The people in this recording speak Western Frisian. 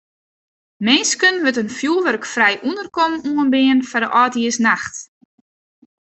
Minsken wurdt in fjoerwurkfrij ûnderkommen oanbean foar de âldjiersnacht.